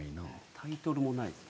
タイトルもないです。